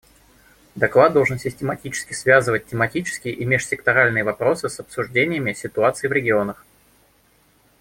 Доклад должен систематически связывать тематические и межсекторальные вопросы с обсуждениями ситуаций в регионах.